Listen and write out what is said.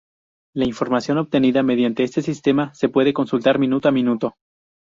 La información obtenida mediante este sistema se puede consultar minuto a minuto.